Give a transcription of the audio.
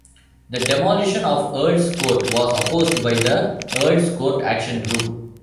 The demolition of Earls Court was opposed by the Earls Court Action Group.